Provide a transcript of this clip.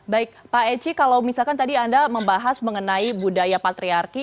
baik pak eci kalau misalkan tadi anda membahas mengenai budaya patriarki